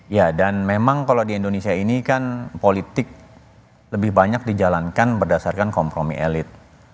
ya dan memang kalau di indonesia ini kan politik lebih banyak dijalankan berdasarkan kompromi elit